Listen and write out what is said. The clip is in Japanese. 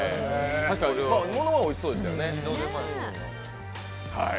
確かにものはおいしそうですけどね。